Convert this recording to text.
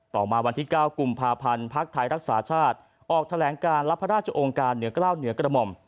ต่อมาวันที่๙กุมภาพันธ์ภักดิ์ไทยรักษาชาติออกแถลงการรับพระราชองค์การเหนือกล้าวเหนือกระหม่อม